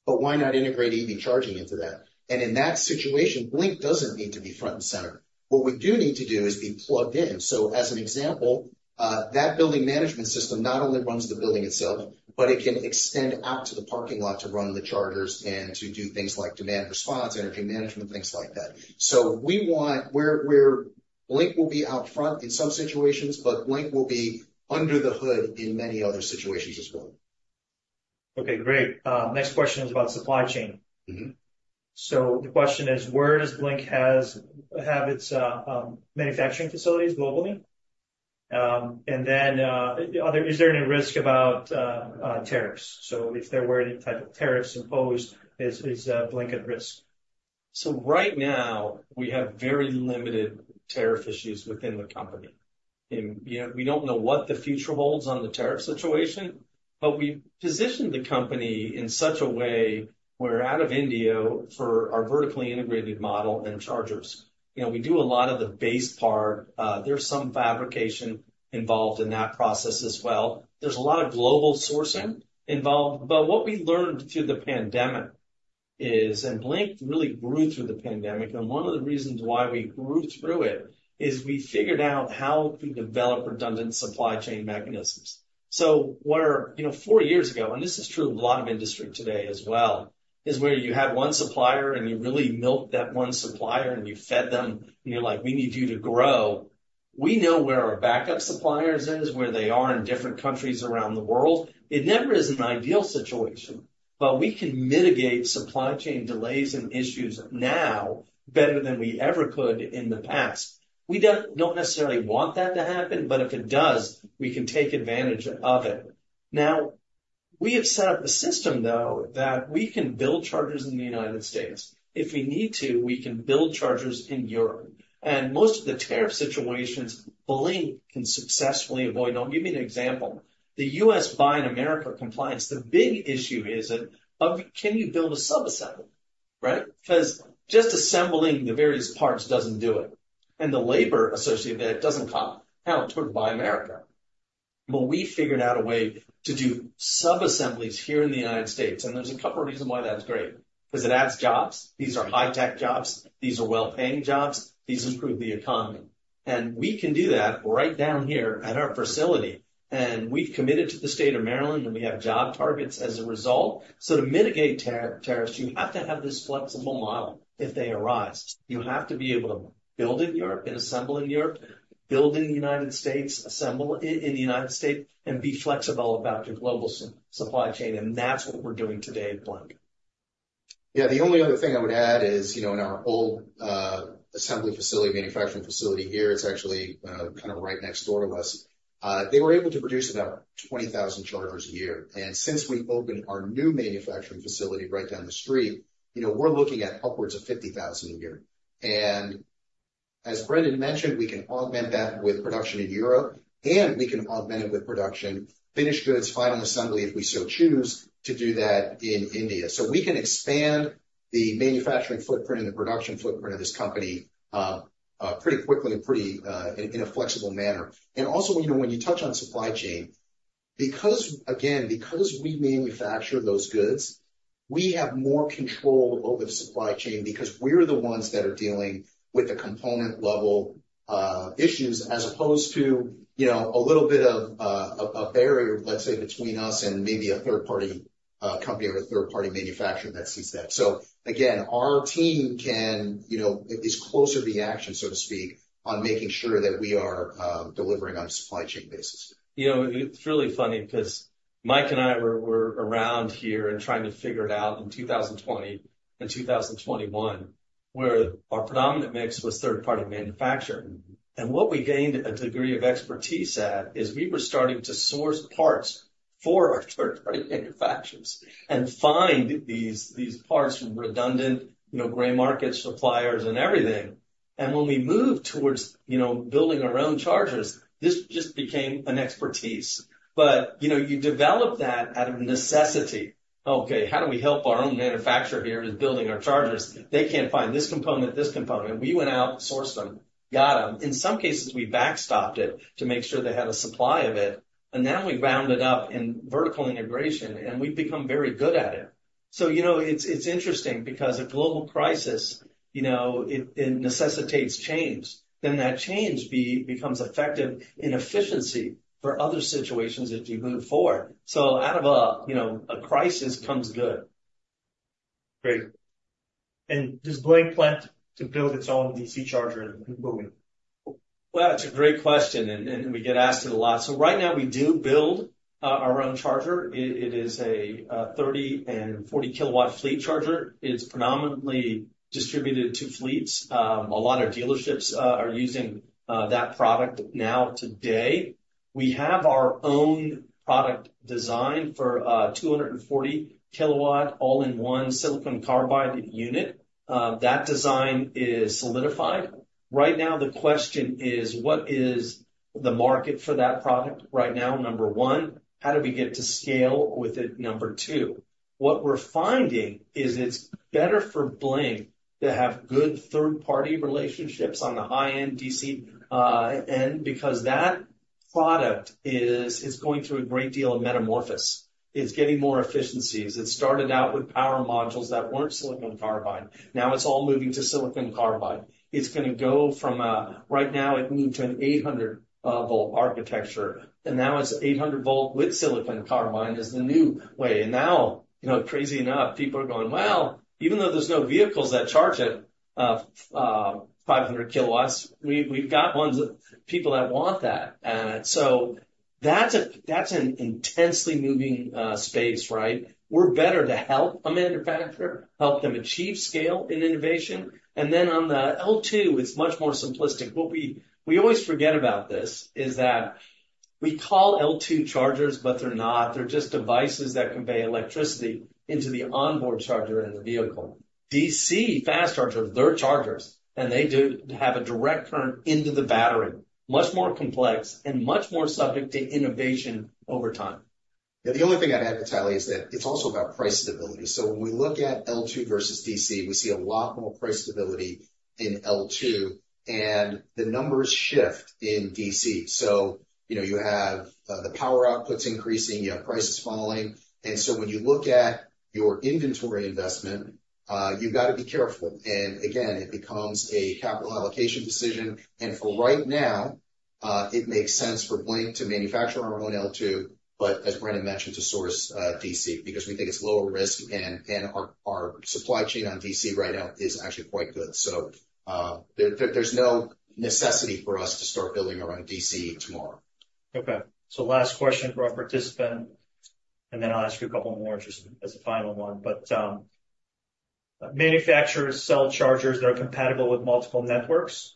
But why not integrate EV charging into that? And in that situation, Blink doesn't need to be front and center. What we do need to do is be plugged in. So as an example, that building management system not only runs the building itself, but it can extend out to the parking lot to run the chargers and to do things like demand response, energy management, things like that. Blink will be out front in some situations, but Blink will be under the hood in many other situations as well. Okay, great. Next question is about supply chain. Mm-hmm. So the question is: Where does Blink have its manufacturing facilities globally? And then, is there any risk about tariffs? So if there were any type of tariffs imposed, is Blink at risk? So right now, we have very limited tariff issues within the company. And, you know, we don't know what the future holds on the tariff situation, but we've positioned the company in such a way we're out of India for our vertically integrated model and chargers. You know, we do a lot of the base part. There's some fabrication involved in that process as well. There's a lot of global sourcing involved, but what we learned through the pandemic is, and Blink really grew through the pandemic, and one of the reasons why we grew through it is we figured out how to develop redundant supply chain mechanisms. So where, you know, four years ago, and this is true of a lot of industry today as well, is where you had one supplier, and you really milked that one supplier, and you fed them, and you're like: We need you to grow. We know where our backup suppliers is, where they are in different countries around the world. It never is an ideal situation, but we can mitigate supply chain delays and issues now better than we ever could in the past. We don't, don't necessarily want that to happen, but if it does, we can take advantage of it. Now, we have set up a system, though, that we can build chargers in the United States. If we need to, we can build chargers in Europe. And most of the tariff situations, Blink can successfully avoid. And I'll give you an example. The U.S. Buy America compliance, the big issue is that, can you build a sub-assembly?... Right? Because just assembling the various parts doesn't do it, and the labor associated with that doesn't count towards Buy America. But we figured out a way to do sub-assemblies here in the United States, and there's a couple of reasons why that's great: because it adds jobs. These are high-tech jobs. These are well-paying jobs. These improve the economy. And we can do that right down here at our facility, and we've committed to the state of Maryland, and we have job targets as a result. So to mitigate tariffs, you have to have this flexible model if they arise. You have to be able to build in Europe and assemble in Europe, build in the United States, assemble in the United States, and be flexible about your global supply chain. And that's what we're doing today at Blink. Yeah, the only other thing I would add is, you know, in our old assembly facility, manufacturing facility here, it's actually kind of right next door to us. They were able to produce about 20,000 chargers a year, and since we opened our new manufacturing facility right down the street, you know, we're looking at upwards of 50,000 a year. And as Brendan mentioned, we can augment that with production in Europe, and we can augment it with production, finished goods, final assembly, if we so choose to do that in India. So we can expand the manufacturing footprint and the production footprint of this company pretty quickly and pretty in a flexible manner. And also, you know, when you touch on supply chain, because, again, because we manufacture those goods, we have more control over the supply chain because we're the ones that are dealing with the component level issues, as opposed to, you know, a little bit of a barrier, let's say, between us and maybe a third-party company or a third-party manufacturer that sees that. So again, our team can, you know, is closer to the action, so to speak, on making sure that we are delivering on a supply chain basis. You know, it's really funny because Mike and I were around here and trying to figure it out in 2020 and 2021, where our predominant mix was third-party manufacturing. And what we gained a degree of expertise at is we were starting to source parts for our third-party manufacturers and find these parts from redundant, you know, gray market suppliers and everything. And when we moved towards, you know, building our own chargers, this just became an expertise. But, you know, you develop that out of necessity. Okay, how do we help our own manufacturer here who's building our chargers? They can't find this component. We went out, sourced them, got them. In some cases, we backstopped it to make sure they had a supply of it, and now we round it up in vertical integration, and we've become very good at it. So, you know, it's interesting because a global crisis, you know, it necessitates change, then that change becomes effective in efficiency for other situations as you move forward. So out of a, you know, a crisis comes good. Great. And does Blink plan to build its own DC charger and moving? That's a great question, and we get asked it a lot. So right now, we do build our own charger. It is a 30- and 40-kilowatt fleet charger. It's predominantly distributed to fleets. A lot of dealerships are using that product now today. We have our own product design for a 240-kilowatt, all-in-one silicon carbide unit. That design is solidified. Right now, the question is: What is the market for that product right now, number one? How do we get to scale with it, number two? What we're finding is it's better for Blink to have good third-party relationships on the high-end DC end, because that product is going through a great deal of metamorphosis. It's getting more efficiencies. It started out with power modules that weren't silicon carbide. Now, it's all moving to silicon carbide. It's going to go from a... Right now, it moved to an 800-volt architecture, and now it's 800-volt with silicon carbide is the new way. And now, you know, crazy enough, people are going, "Well, even though there's no vehicles that charge at 500 kilowatts, we've got ones that people that want that." So that's a, that's an intensely moving space, right? We're better to help a manufacturer, help them achieve scale in innovation. And then on the L2, it's much more simplistic. What we always forget about this, is that we call L2 chargers, but they're not. They're just devices that convey electricity into the onboard charger in the vehicle. DC fast chargers, they're chargers, and they do have a direct current into the battery. Much more complex and much more subject to innovation over time. Yeah, the only thing I'd add, Vitalie, is that it's also about price stability. So when we look at L2 versus DC, we see a lot more price stability in L2, and the numbers shift in DC. You know, you have the power outputs increasing, you have prices falling, and so when you look at your inventory investment, you've got to be careful. And again, it becomes a capital allocation decision. And for right now, it makes sense for Blink to manufacture our own L2, but as Brendan mentioned, to source DC, because we think it's lower risk, and our supply chain on DC right now is actually quite good. So there's no necessity for us to start building our own DC tomorrow. Okay, so last question from our participant, and then I'll ask you a couple more just as a final one. But, manufacturers sell chargers that are compatible with multiple networks.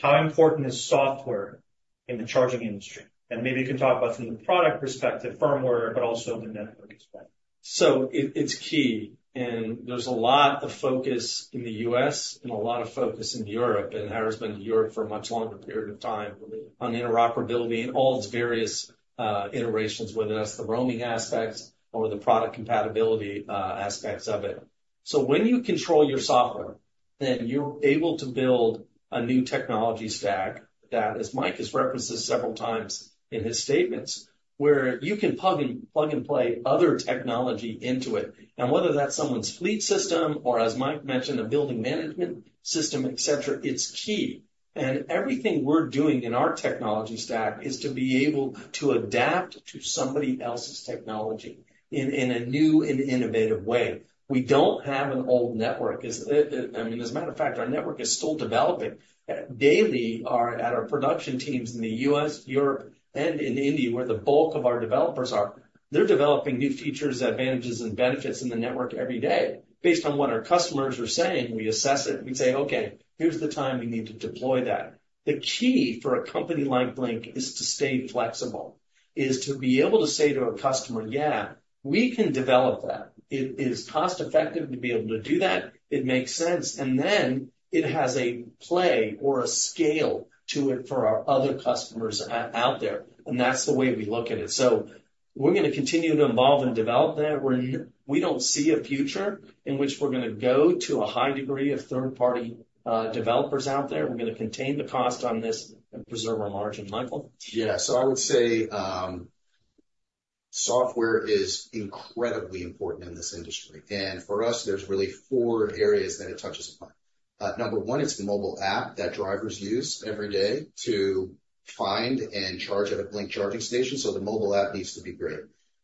How important is software in the charging industry? And maybe you can talk about from the product perspective, firmware, but also the network perspective. So it's key, and there's a lot of focus in the U.S. and a lot of focus in Europe, and has been to Europe for a much longer period of time, on interoperability in all its various iterations, whether that's the roaming aspects or the product compatibility aspects of it. So when you control your software, then you're able to build a new technology stack that, as Mike has referenced this several times in his statements, where you can plug and play other technology into it. And whether that's someone's fleet system or, as Mike mentioned, a building management system, et cetera, it's key. And everything we're doing in our technology stack is to be able to adapt to somebody else's technology in a new and innovative way. We don't have an old network. As, I mean, as a matter of fact, our network is still developing. Daily, our production teams in the U.S., Europe, and in India, where the bulk of our developers are, they're developing new features, advantages, and benefits in the network every day. Based on what our customers are saying, we assess it, we say: Okay, here's the time we need to deploy that. The key for a company like Blink is to stay flexible, is to be able to say to a customer, "Yeah, we can develop that." It is cost effective to be able to do that. It makes sense, and then it has a play or a scale to it for our other customers out there, and that's the way we look at it. So we're gonna continue to evolve and develop that. We're, we don't see a future in which we're gonna go to a high degree of third-party developers out there. We're gonna contain the cost on this and preserve our margin. Michael? Yeah. So I would say, software is incredibly important in this industry, and for us, there's really four areas that it touches upon. Number one, it's the mobile app that drivers use every day to find and charge at a Blink charging station, so the mobile app needs to be great.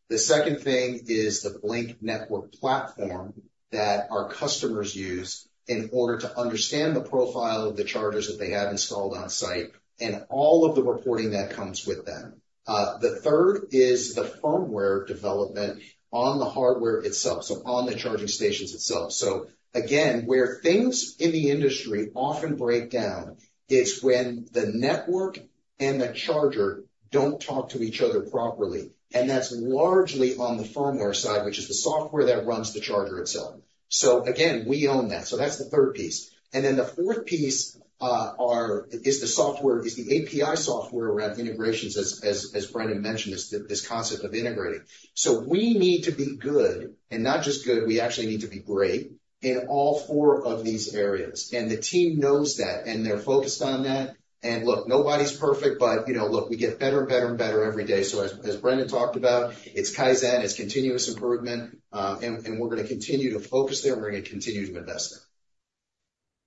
The second thing is the Blink Network platform that our customers use in order to understand the profile of the chargers that they have installed on site, and all of the reporting that comes with them. The third is the firmware development on the hardware itself, so on the charging stations itself. So again, where things in the industry often break down, it's when the network and the charger don't talk to each other properly, and that's largely on the firmware side, which is the software that runs the charger itself. So again, we own that. So that's the third piece. And then the fourth piece is the software, is the API software around integrations, as Brendan mentioned, this concept of integrating. So we need to be good, and not just good, we actually need to be great in all four of these areas. And the team knows that, and they're focused on that. And look, nobody's perfect, but you know, look, we get better and better and better every day. So as Brendan talked about, it's Kaizen, it's continuous improvement, and we're gonna continue to focus there, and we're gonna continue to invest in it.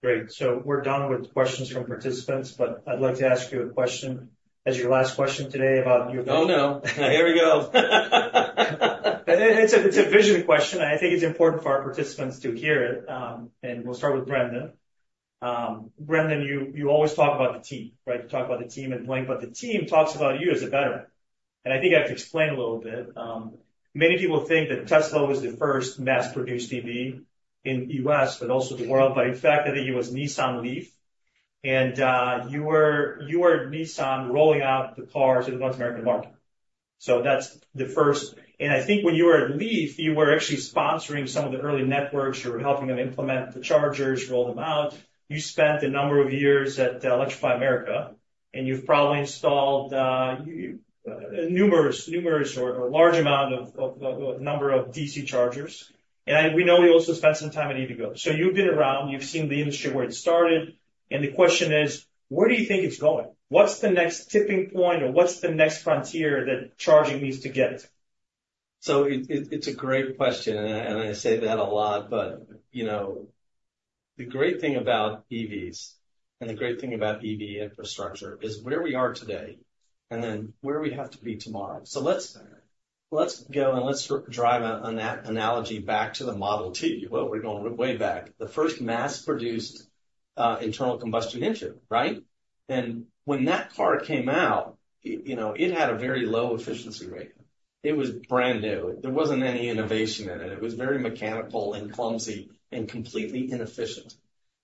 Great. So we're done with questions from participants, but I'd like to ask you a question as your last question today about your- Oh, no. Here we go. It's a vision question. I think it's important for our participants to hear it, and we'll start with Brendan. Brendan, you always talk about the team, right? You talk about the team at Blink, but the team talks about you as a veteran, and I think you have to explain a little bit. Many people think that Tesla was the first mass-produced EV in the U.S., but also the world, but in fact, I think it was Nissan LEAF, and you were at Nissan, rolling out the car to the North American market. So that's the first, and I think when you were at LEAF, you were actually sponsoring some of the early networks. You were helping them implement the chargers, roll them out. You spent a number of years at Electrify America, and you've probably installed numerous or a large number of DC chargers, and we know you also spent some time at EVgo. So you've been around, you've seen the industry where it started, and the question is: Where do you think it's going? What's the next tipping point or what's the next frontier that charging needs to get? So it's a great question, and I say that a lot, but you know, the great thing about EVs and the great thing about EV infrastructure is where we are today and then where we have to be tomorrow. So let's go, and let's drive an analogy back to the Model T. Well, we're going way back. The first mass-produced internal combustion engine, right? And when that car came out, it you know, it had a very low efficiency rate. It was brand new. There wasn't any innovation in it. It was very mechanical and clumsy and completely inefficient.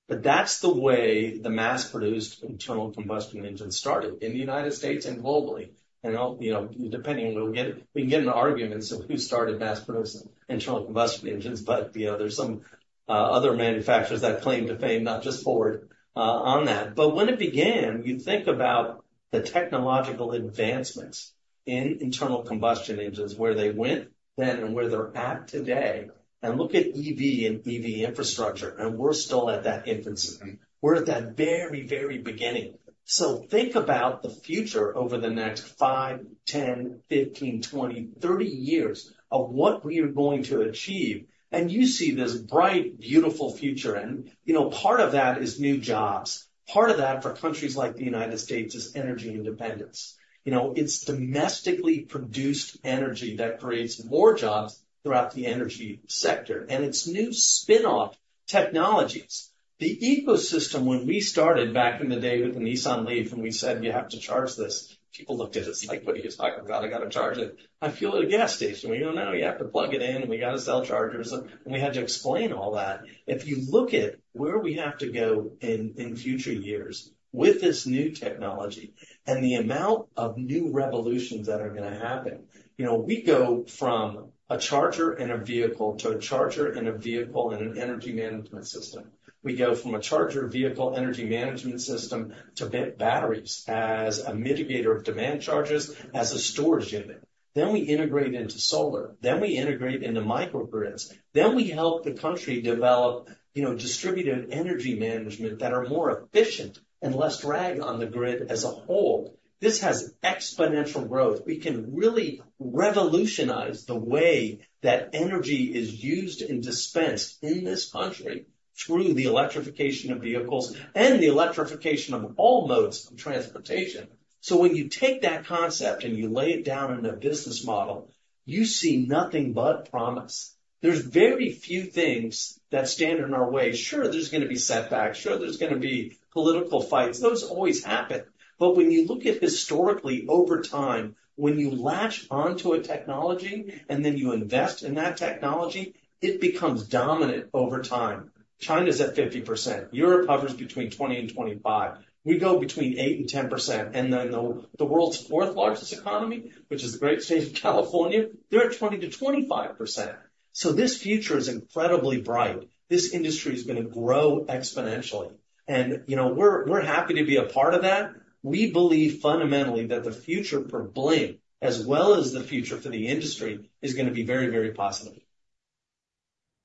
But that's the way the mass-produced internal combustion engine started in the United States and globally. And, you know, depending on where we get, we can get into arguments of who started mass-producing internal combustion engines, but, you know, there's some other manufacturers that claim to fame, not just Ford on that. But when it began, you think about the technological advancements in internal combustion engines, where they went then and where they're at today, and look at EV and EV infrastructure, and we're still at that infancy. We're at that very, very beginning. So think about the future over the next five, ten, fifteen, twenty, thirty years of what we are going to achieve, and you see this bright, beautiful future. And, you know, part of that is new jobs. Part of that, for countries like the United States, is energy independence. You know, it's domestically produced energy that creates more jobs throughout the energy sector, and it's new spin-off technologies. The ecosystem, when we started back in the day with the Nissan LEAF, and we said, "You have to charge this," people looked at us like, "What are you talking about? I got to charge it. I fuel it at a gas station." We go, "No, you have to plug it in, and we got to sell chargers." And we had to explain all that. If you look at where we have to go in, in future years with this new technology and the amount of new revolutions that are gonna happen, you know, we go from a charger and a vehicle to a charger and a vehicle and an energy management system. We go from a charger, vehicle, energy management system to big batteries as a mitigator of demand charges, as a storage unit. Then we integrate into solar, then we integrate into microgrids, then we help the country develop, you know, distributed energy management that are more efficient and less drag on the grid as a whole. This has exponential growth. We can really revolutionize the way that energy is used and dispensed in this country through the electrification of vehicles and the electrification of all modes of transportation. So when you take that concept and you lay it down in a business model, you see nothing but promise. There's very few things that stand in our way. Sure, there's going to be setbacks. Sure, there's going to be political fights. Those always happen. But when you look at historically over time, when you latch onto a technology and then you invest in that technology, it becomes dominant over time. China's at 50%. Europe hovers between 20% and 25%. We go between 8% and 10%, and then the world's fourth-largest economy, which is the great state of California, they're at 20% to 25%. So this future is incredibly bright. This industry is going to grow exponentially, and, you know, we're happy to be a part of that. We believe fundamentally that the future for Blink, as well as the future for the industry, is going to be very, very positive.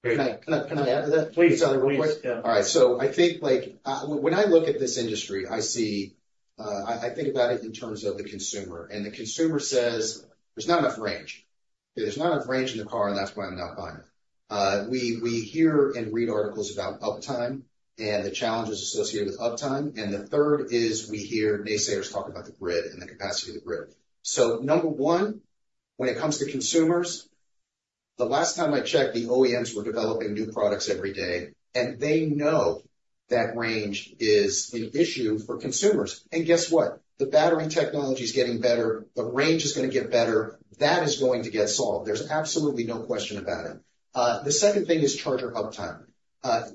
Can I add to that? Please. All right. So I think, like, when I look at this industry, I see, I think about it in terms of the consumer, and the consumer says, "There's not enough range. There's not enough range in the car, and that's why I'm not buying it." We hear and read articles about uptime and the challenges associated with uptime, and the third is we hear naysayers talk about the grid and the capacity of the grid, so number one, when it comes to consumers, the last time I checked, the OEMs were developing new products every day, and they know that range is an issue for consumers, and guess what? The battery technology is getting better. The range is going to get better. That is going to get solved. There's absolutely no question about it. The second thing is charger uptime.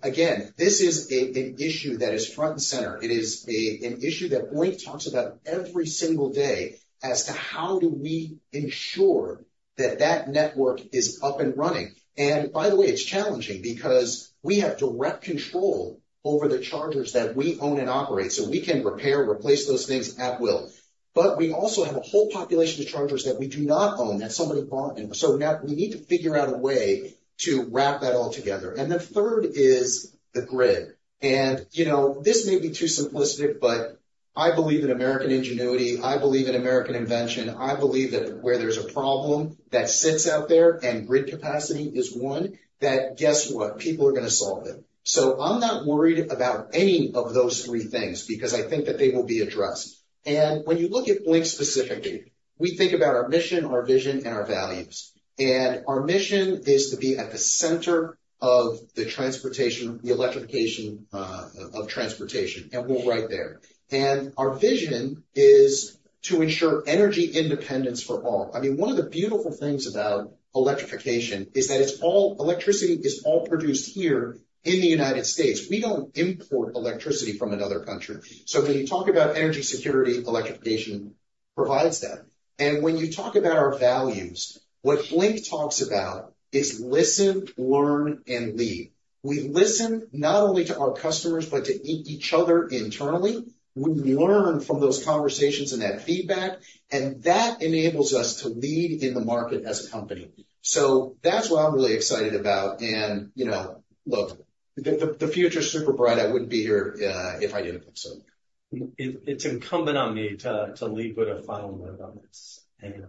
Again, this is an issue that is front and center. It is an issue that Blink talks about every single day as to how do we ensure that that network is up and running. And by the way, it's challenging because we have direct control over the chargers that we own and operate, so we can repair or replace those things at will. But we also have a whole population of chargers that we do not own, that somebody bought, and so now we need to figure out a way to wrap that all together. And the third is the grid. And, you know, this may be too simplistic, but I believe in American ingenuity. I believe in American invention. I believe that where there's a problem that sits out there, and grid capacity is one, that guess what? People are going to solve it. So I'm not worried about any of those three things because I think that they will be addressed. And when you look at Blink specifically, we think about our mission, our vision, and our values. And our mission is to be at the center of the transportation, the electrification, of transportation, and we're right there. And our vision is to ensure energy independence for all. I mean, one of the beautiful things about electrification is that it's all electricity is all produced here in the United States. We don't import electricity from another country. So when you talk about energy security, electrification provides that. And when you talk about our values, what Blink talks about is listen, learn, and lead. We listen not only to our customers, but to each other internally. We learn from those conversations and that feedback, and that enables us to lead in the market as a company. So that's what I'm really excited about. And, you know, look, the future is super bright. I wouldn't be here if I didn't think so. It's incumbent on me to leave with a final word on this, and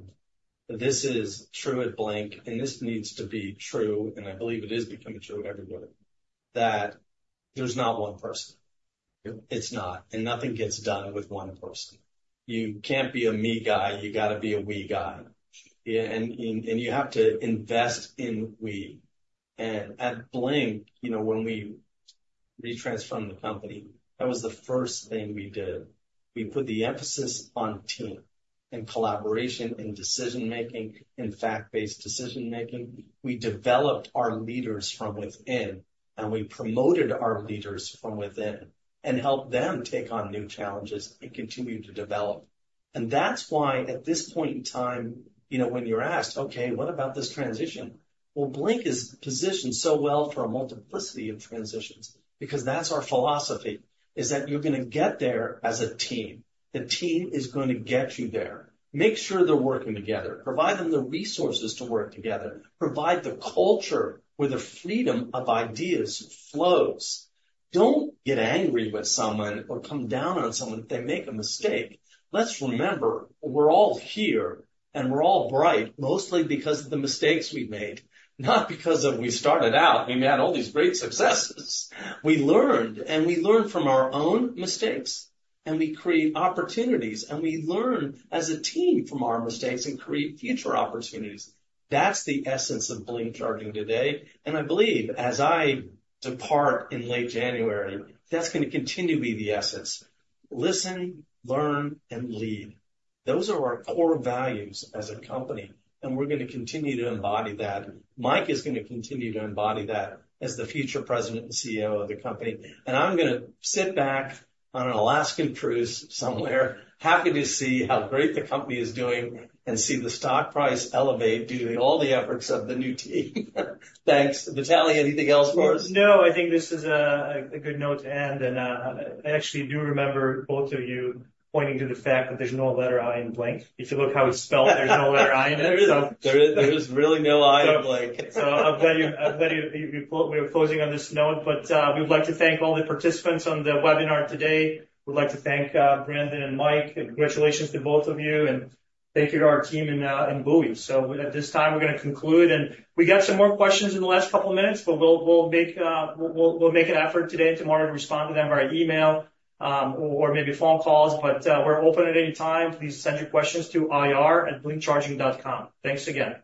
this is true at Blink, and this needs to be true, and I believe it is becoming true everywhere, that there's not one person. It's not, and nothing gets done with one person. You can't be a me guy. You got to be a we guy. Yeah, and you have to invest in we, and at Blink, you know, when we re-transformed the company, that was the first thing we did. We put the emphasis on team and collaboration and decision-making and fact-based decision-making. We developed our leaders from within, and we promoted our leaders from within and helped them take on new challenges and continue to develop. And that's why, at this point in time, you know, when you're asked, "Okay, what about this transition?" Well, Blink is positioned so well for a multiplicity of transitions because that's our philosophy, is that you're going to get there as a team. The team is going to get you there. Make sure they're working together, provide them the resources to work together, provide the culture where the freedom of ideas flows. Don't get angry with someone or come down on someone if they make a mistake. Let's remember, we're all here, and we're all bright, mostly because of the mistakes we've made, not because of we started out and we had all these great successes. We learned, and we learned from our own mistakes, and we create opportunities, and we learn as a team from our mistakes and create future opportunities. That's the essence of Blink Charging today. I believe, as I depart in late January, that's going to continue to be the essence. Listen, learn, and lead. Those are our core values as a company, and we're going to continue to embody that. Mike is going to continue to embody that as the future president and CEO of the company. And I'm going to sit back on an Alaskan cruise somewhere, happy to see how great the company is doing and see the stock price elevate due to all the efforts of the new team. Thanks. Vitalie, anything else for us? No, I think this is a good note to end, and I actually do remember both of you pointing to the fact that there's no letter I in Blink. If you look how it's spelled, there's no letter I in it. There is really no I in Blink. I'm glad we're closing on this note, but we'd like to thank all the participants on the webinar today. We'd like to thank Brendan and Mike, and congratulations to both of you, and thank you to our team in Bowie. So at this time, we're going to conclude, and we got some more questions in the last couple of minutes, but we'll make an effort today and tomorrow to respond to them via email or maybe phone calls, but we're open at any time. Please send your questions to ir@blinkcharging.com. Thanks again.